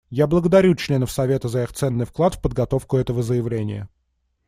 Я благодарю членов Совета за их ценный вклад в подготовку этого заявления.